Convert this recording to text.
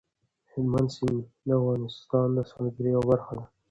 هلمند سیند د افغانستان د سیلګرۍ یوه برخه ده.